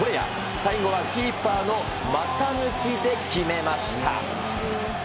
最後はキーパーの股抜きで決めました。